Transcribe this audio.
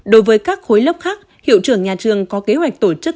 đối với các khối lớp khác hiệu trưởng nhà trường có kế hoạch tổ chức